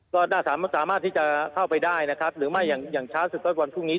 ก็น่าสามารถที่จะเข้าไปได้นะครับหรือไม่อย่างอย่างเช้าสุดก็วันพรุ่งนี้